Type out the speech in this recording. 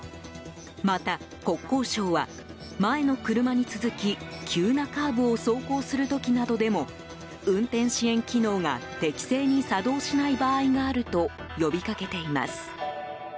また、国交省は前の車に続き急なカーブを走行する時などでも運転支援機能が適正に作動しない場合があると呼び掛けています。